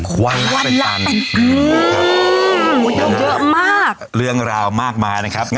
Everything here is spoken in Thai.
ควันเป็นตันเยอะมากเรื่องราวมากมายนะครับ